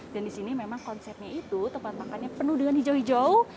dan di sini memang konsepnya itu tempat makannya penuh dengan hijau hijau